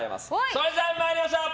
それじゃ参りましょう。